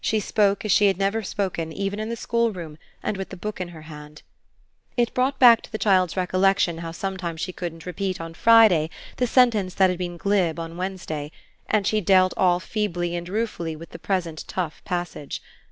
She spoke as she had never spoken even in the schoolroom and with the book in her hand. It brought back to the child's recollection how she sometimes couldn't repeat on Friday the sentence that had been glib on Wednesday, and she dealt all feebly and ruefully with the present tough passage.